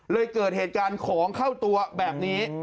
เกิดเหตุการณ์ของเข้าตัวแบบนี้